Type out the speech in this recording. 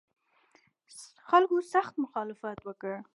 خلکو سخت مخالفت وکړ.